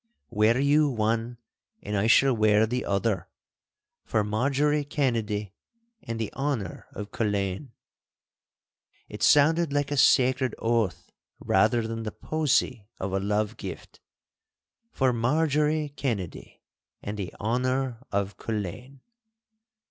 Wear you one and I shall wear the other—for Marjorie Kennedy and the honour of Culzean.' It sounded like a sacred oath rather than the posy of a love gift: 'For Marjorie Kennedy and the honour of Culzean!